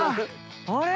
あれ？